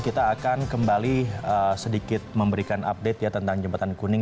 kita akan kembali sedikit memberikan update ya tentang jembatan kuning